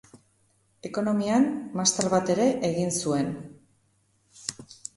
Ekonomian master bat ere egin zuen.